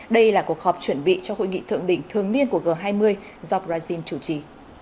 đây là cuộc họp chuẩn bị cho hội nghị thượng đỉnh thường niên của g hai mươi do brazil chủ trì